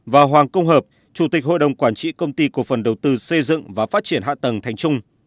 và hoàng công hợp chủ tịch hội đồng quản trị công ty cổ phần đầu tư xây dựng và phát triển hạ tầng thành trung